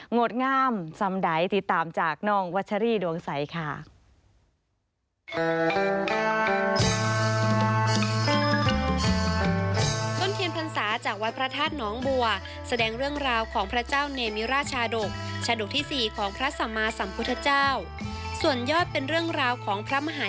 ดงามซ้ำใดติดตามจากน้องวัชรี่ดวงใสค่ะ